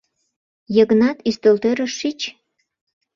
Йыгнат, ӱстелтӧрыш шич...